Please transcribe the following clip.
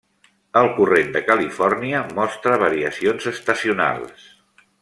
El corrent de califòrnia mostra variacions estacionals.